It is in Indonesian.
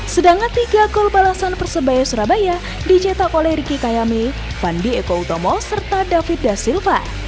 sedangkan tiga gol balasan persebaya surabaya dicetak oleh riki kayame fandi eko utomo serta david da silva